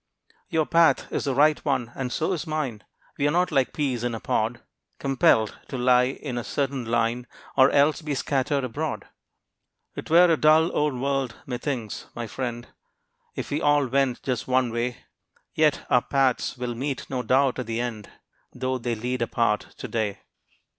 Your path is the right one, and so is mine. We are not like peas in a pod, Compelled to lie in a certain line, Or else be scattered abroad. 'Twere a dull old world, methinks, my friend, If we all went just one way; Yet our paths will meet no doubt at the end, Though they lead apart to day.